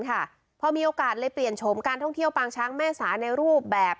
พอมีโอกาสเลยเปลี่ยนชมการท่องเที่ยวปางช้างแม่สาในรูปแบบ